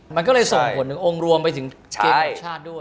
มันก็เลยส่งผลถึงองค์รวมไปถึงเกมต่างชาติด้วย